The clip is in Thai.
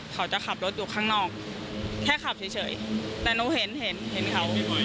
เขาจะขับรถอยู่ข้างนอกแค่ขับเฉยแต่หนูเห็นเห็นเขา